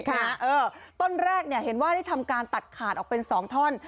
ต้นแรกเห็นว่าได้ทำการตัดขาดออกเป็น๒ท่อน